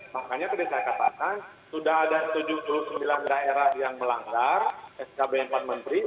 makanya tadi saya katakan sudah ada tujuh puluh sembilan daerah yang melanggar skb empat menteri